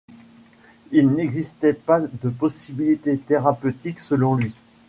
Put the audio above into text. Il n'existait pas de possibilité thérapeutique, selon lui.